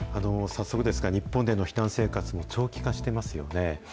早速ですが、日本での避難生活も長期化してますよね。